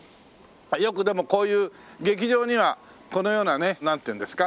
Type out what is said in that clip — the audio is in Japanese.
よくでもこういう劇場にはこのようなねなんていうんですか？